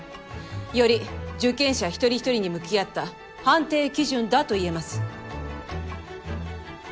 より受験者１人１人に向き合った判定基準だと言えます。